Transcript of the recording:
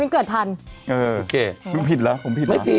เห็นไหม